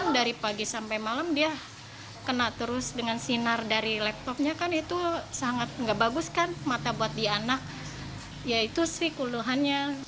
dari laptopnya kan itu sangat nggak bagus kan mata buat di anak yaitu sih kuluhannya